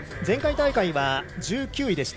前回大会は１９位。